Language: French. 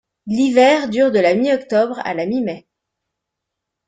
L'hiver dure de la mi-octobre à la mi-mai.